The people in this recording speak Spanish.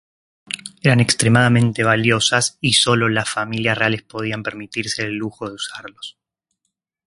Eran extremadamente valiosas, y sólo las familias reales podían permitirse el lujo de usarlos.